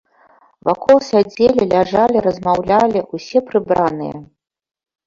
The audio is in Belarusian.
Вакол сядзелі, ляжалі, размаўлялі, усе прыбраныя.